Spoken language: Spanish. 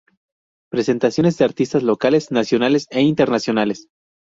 Presentaciones de artistas locales, nacionales e internacionales.